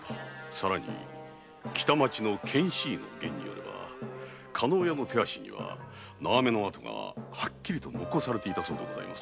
さらに北町の検視医の言によれば加納屋の手足には縄目の痕がはっきりと残されていたそうです。